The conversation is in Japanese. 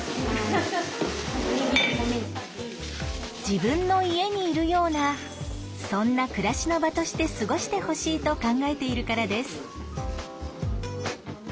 自分の家にいるようなそんな暮らしの場として過ごしてほしいと考えているからです。